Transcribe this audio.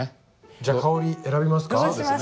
じゃ香り選びますか？